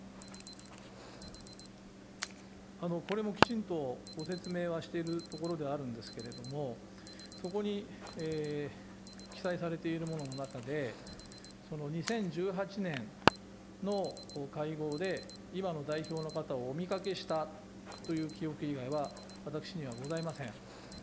これもきちんとご説明はしているところではあるんですけれども、そこに記載されているものの中で、２０１８年の会合で、今の代表の方をお見かけしたという記憶以外は、私にはございません。